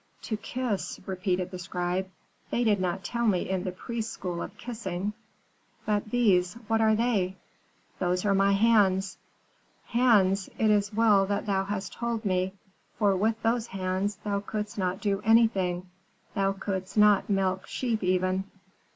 "'To kiss,' repeated the scribe. 'They did not tell me in the priests' school of kissing. But these what are they?' "'Those are my hands.' "'Hands? It is well that thou hast told me, for with those hands thou couldst not do anything; thou couldst not milk sheep even.'